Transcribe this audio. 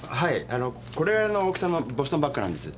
あのこれぐらいの大きさのボストンバッグなんです。